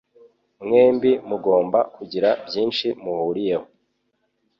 Mwembi mugomba kugira byinshi muhuriyeho.